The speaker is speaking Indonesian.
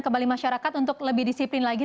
kembali masyarakat untuk lebih disiplin lagi